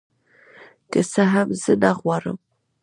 که څه هم زه نغواړم